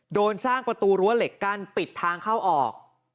โดนสร้างประตูรั้วเหล็กกั้นปิดทางเข้าออก